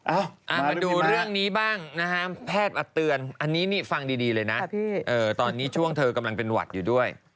เอามาดูเรื่องนี้บ้างนะฮะแพทย์มาเตือนอันนี้นี่ฟังดีเลยนะตอนนี้ช่วงเธอกำลังเป็นหวัดอยู่ด้วย